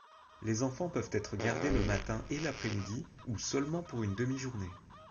Les enfants peuvent être gardés le matin et l'après-midi, ou seulement pour une demi-journée.